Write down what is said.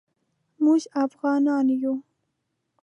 موږ افعانان یو